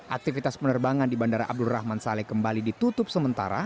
aktivitas penerbangan di bandara abdul rahman saleh kembali ditutup sementara